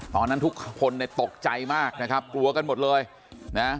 ตอนนั้นทุกคนเนี่ยตกใจมากนะครับกลัวกันหมดเลยนะ